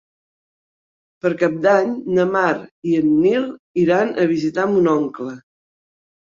Per Cap d'Any na Mar i en Nil iran a visitar mon oncle.